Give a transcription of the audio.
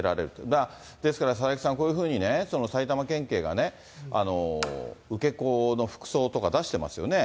だから、ですから、佐々木さん、こういうふうにね、埼玉県警がね、受け子の服装とか出してますよね。